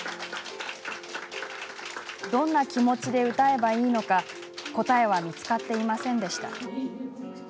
どんな気持ちで歌えばいいのか答えは見つかっていませんでした。